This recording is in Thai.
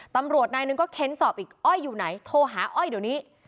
ตำรวจนายหนึ่งก็เค้นสอบอีกอ้อยอยู่ไหนโทรหาอ้อยเดี๋ยวนี้